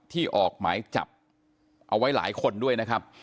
ที่ออกหมายจับเอาไว้หลายคนด้วย